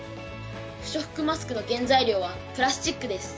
不織布マスクの原材料はプラスチックです。